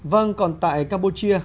vâng còn tại campuchia